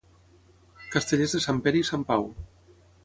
Castellers de Sant Pere i Sant Pau.